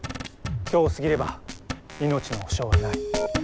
今日を過ぎれば命の保証はない。